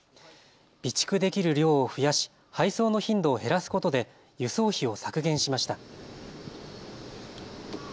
備蓄できる量を増やし配送の頻度を減らすことで輸送費を削減しました。